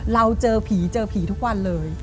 เราเจอผีทุกวันเลย